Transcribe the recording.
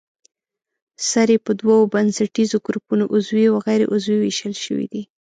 سرې په دوو بنسټیزو ګروپونو عضوي او غیر عضوي ویشل شوې دي.